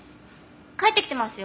帰ってきてますよ。